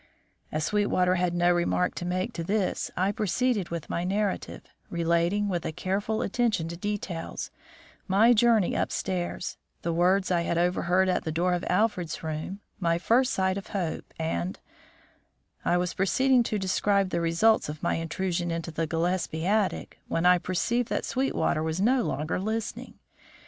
As Sweetwater had no remark to make to this, I proceeded with my narrative, relating, with a careful attention to details, my journey upstairs, the words I had overheard at the door of Alfred's room, my first sight of Hope, and I was proceeding to describe the results of my intrusion into the Gillespie attic, when I perceived that Sweetwater was no longer listening.